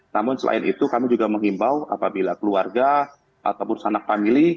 namun selain itu kami juga mengimbau apabila keluarga ataupun anak anak milik